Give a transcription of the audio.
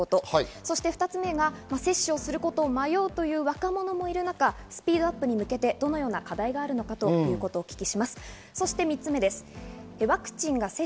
そして２つ目が接種をすることを迷うという若者もいる中、スピードアップへ向けてどのような課題があるのかということをお聞きします。